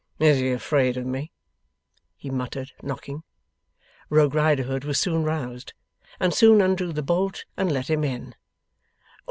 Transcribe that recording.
'Is he afraid of me?' he muttered, knocking. Rogue Riderhood was soon roused, and soon undrew the bolt and let him in.